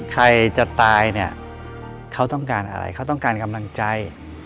ใครจะตายเนี่ยเขาต้องการอะไรเขาต้องการกำลังใจ